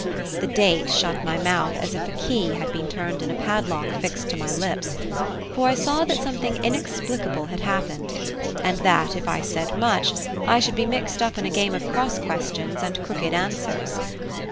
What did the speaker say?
The date shut my mouth as if a key had been turned in a padlock fixed to my lips; for I saw that something inexplicable had happened, and that if I said much, I should be mixed up in a game of cross questions and crooked answers.